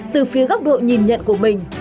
từ phía góc độ nhìn nhận của mình